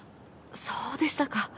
そうでしたか。